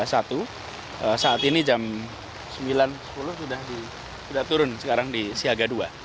saat ini jam sembilan sepuluh sudah turun sekarang di siaga dua